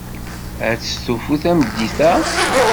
Ad testufu tameddit-a?